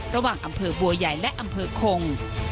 อำเภอบัวใหญ่และอำเภอคง